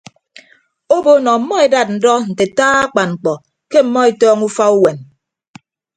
Obo nọ ọmmọ edat ndọ nte ataa akpan mkpọ ke ọmmọ etọọñọ ufa uwem.